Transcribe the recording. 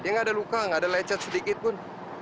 dia nggak ada luka nggak ada lecet sedikit pun